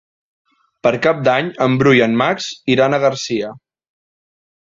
Per Cap d'Any en Bru i en Max iran a Garcia.